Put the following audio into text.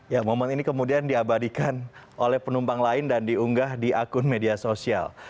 ya momen ini kemudian diabadikan oleh penumpang lain dan diunggah di akun media sosial